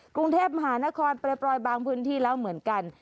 กรุงเทพมหานครปล่อยบางพื้นที่แล้วเหมือนกัน